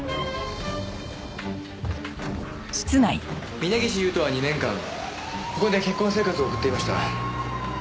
峰岸勇人は２年間ここで結婚生活を送っていました。